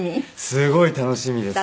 すごい楽しみですね。